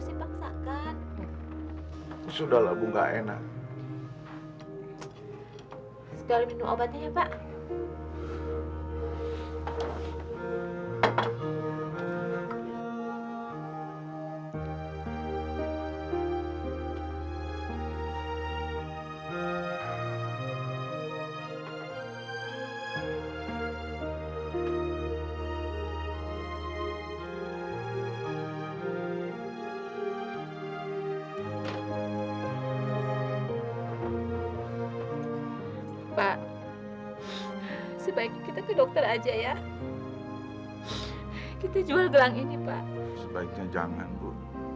sebaiknya jangan bu